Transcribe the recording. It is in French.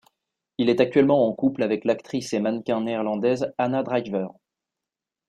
Il est actuellement en couple avec l'actrice et mannequin néerlandaise Anna Drijver.